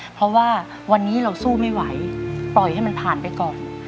เพราะว่าวันนี้เราสู้ไม่ไหวปล่อยให้มันผ่านไปก่อน